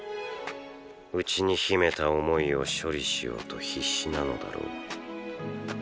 内に秘めた思いを処理しようと必死なのだろう。